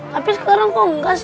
tapi sekarang kok enggak sih